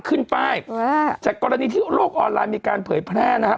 ขึ้นป้ายจากกรณีที่โลกออนไลน์มีการเผยแพร่นะฮะ